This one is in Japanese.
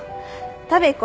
食べ行こ。